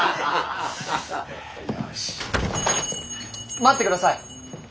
待ってください。